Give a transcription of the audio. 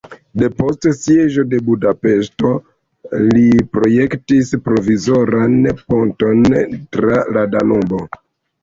Depost sieĝo de Budapeŝto li projektis provizoran ponton tra la Danubo.